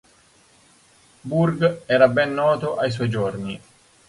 Burgh era ben noto ai suoi giorni.